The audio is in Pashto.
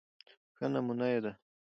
ښه نمونه يې د